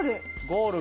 ゴール！